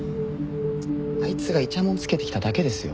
あいつがいちゃもんつけてきただけですよ。